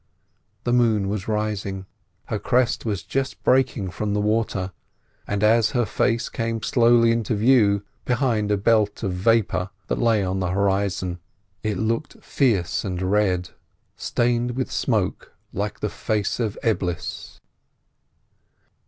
The moon was rising. Her crest was just breaking from the water, and as her face came slowly into view behind a belt of vapour that lay on the horizon, it looked fierce and red, stained with smoke like the face of Eblis.